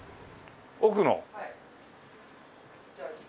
奥の。